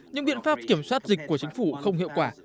những biện pháp kiểm soát dịch của chính phủ không hiệu quả